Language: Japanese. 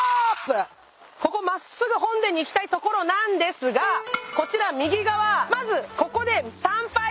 ここ真っすぐ本殿に行きたいところなんですがこちら右側まずここで参拝してください。